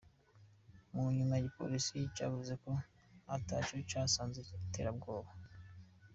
Mu nyuma igipolisi cavuze ko ata co vyasana n'iterabwoba.